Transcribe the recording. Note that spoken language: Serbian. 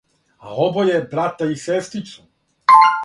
А обоје брата и сестрицу,